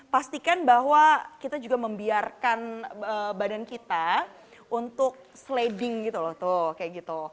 pastikan bahwa kita juga membiarkan badan kita untuk slading gitu loh tuh kayak gitu